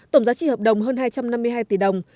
tổng giá trị hợp đồng hơn hai trăm năm mươi hai tỷ đồng